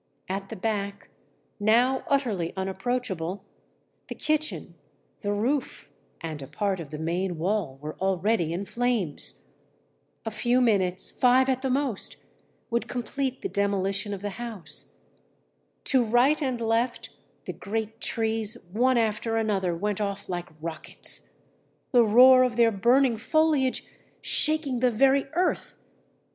At the back, now utterly unapproachable, the kitchen, the roof, and a part of the main wall were already in flames. A few minutes five at the most would complete the demolition of the house. To right and left the great trees one after another went off like rockets, the roar of their burning foliage shaking the very earth.